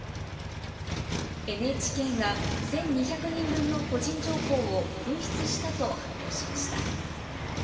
ＮＨＫが、１２００人分の個人情報を紛失したと発表しました。